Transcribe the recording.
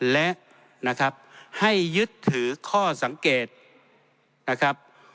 และนะครับให้ยึดถือข้อสังเกตนะครับ